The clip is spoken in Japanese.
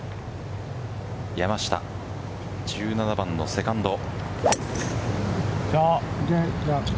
山下、１７番のセカンド。